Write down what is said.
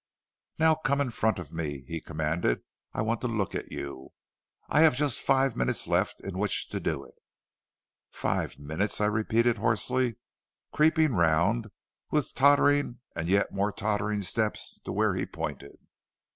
"'Now come in front of me,' he commanded. 'I want to look at you; I have just five minutes left in which to do it.' "'Five minutes!' I repeated hoarsely, creeping round with tottering and yet more tottering steps to where he pointed.